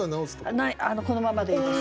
このままでいいです。